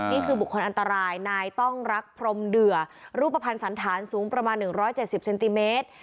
นี่คือบุคคลอันตรายนายต้องรักพรมเดือรูปภัณฑ์สันธารสูงประมาณ๑๗๐เซนติเมตร